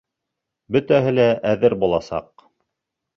Бөтәһе лә әҙер буласаҡ!